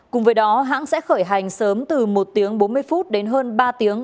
cùng với đó hãng sẽ khởi hành sớm từ một tiếng bốn mươi phút đến hơn ba tiếng